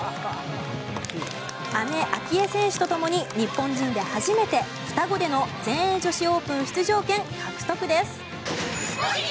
姉・明愛選手とともに日本人で初めて双子での全英女子オープン出場権獲得です。